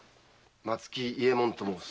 松木伊右衛門と申す。